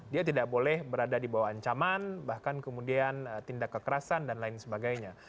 dia tidak boleh berada di bawah ancaman bahkan kemudian tindak kekerasan dan lain sebagainya